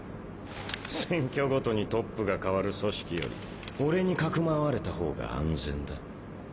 選挙ごとにトップが変わる組織より俺に匿われたほうが安全だ。